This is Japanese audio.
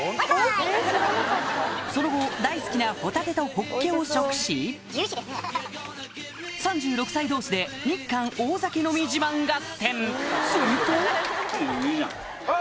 その後大好きなホタテとホッケを食し３６歳同士で日韓大酒飲み自慢合戦するとあ！